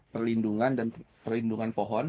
perlindungan dan perlindungan pohon